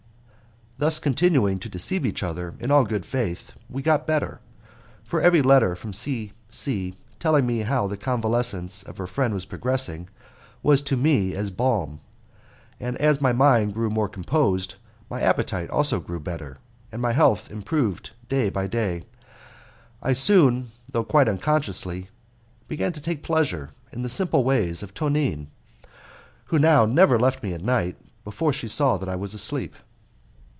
Thus continuing to deceive each other in all good faith, we got better, for every letter from C C , telling me how the convalescence of her friend was progressing, was to me as balm. And as my mind grew more composed my appetite also grew better, and my health improving day by day, I soon, though quite unconsciously, began to take pleasure in the simple ways of Tonine, who now never left me at night before she saw that I was asleep.